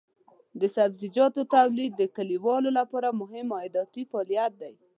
د سبزیجاتو تولید د کليوالو لپاره مهم عایداتي فعالیت دی.